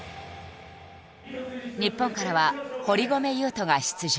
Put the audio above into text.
日本からは堀米雄斗が出場。